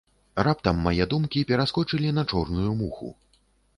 Раптам мае думкі пераскочылі на чорную муху.